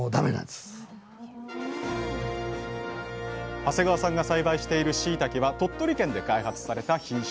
長谷川さんが栽培しているしいたけは鳥取県で開発された品種です。